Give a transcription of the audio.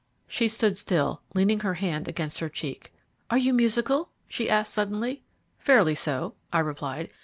She stood still, leaning her hand against her cheek. "Are you musical?" she asked suddenly. "Fairly so," I replied.